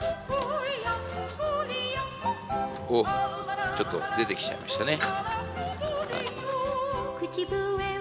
おっちょっと出てきちゃいましたね。